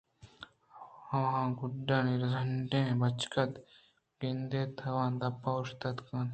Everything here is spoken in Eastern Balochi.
آواں گدانی زنڈیں بُچکہ بگل ءَ اِت اَنتءُلوگ ءِ دپ ءَ اوشتوک اِت اَنت